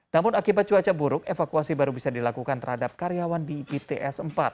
namun akibat cuaca buruk evakuasi baru bisa dilakukan terhadap karyawan di bts empat